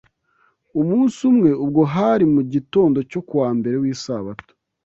Umunsi umwe ubwo hari mu gitondo cyo ku wa mbere w’Isabato